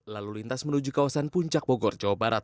lalu lintas menuju kawasan puncak bogor jawa barat